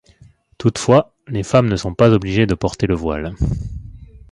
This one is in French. Toutefois, les femmes ne sont pas obligées de porter le voile.